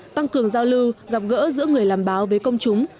tăng cường giao lưu gặp gỡ giữa người làm báo với công chúng